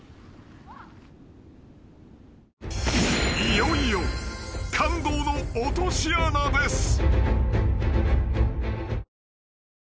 ［いよいよ感動の落とし穴です］